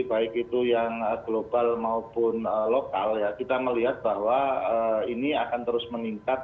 baik itu yang global maupun lokal ya kita melihat bahwa ini akan terus meningkat